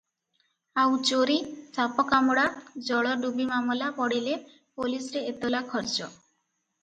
ଆଉ ଚୋରି, ସାପକାମୁଡ଼ା, ଜଳଡୁବିମାମଲା ପଡ଼ିଲେ ପୋଲିସରେ ଏତଲା ଖର୍ଚ୍ଚ ।